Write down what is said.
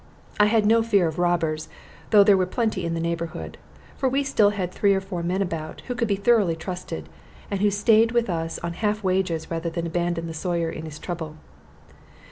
I had no fear of robbers, though there were plenty in the neighborhood; for we still had three or four men about, who could be thoroughly trusted, and who staid with us on half wages rather than abandon the Sawyer in his trouble.